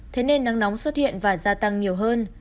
thế nên nắng nóng xuất hiện và gia tăng nhiều hơn